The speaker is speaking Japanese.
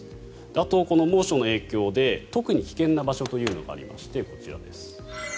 あと、この猛暑の影響で特に危険な場所というのがありましてこちらです。